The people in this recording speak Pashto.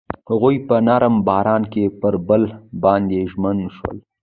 هغوی په نرم باران کې پر بل باندې ژمن شول.